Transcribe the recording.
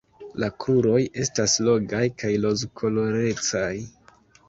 La kruroj estas longaj kaj rozkolorecaj.